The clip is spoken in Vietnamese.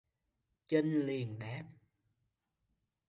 Chinh liền đáp